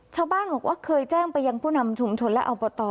ชาวบ้านบอกว่าเคยแจ้งไปยังผู้นำชุมชนและอบต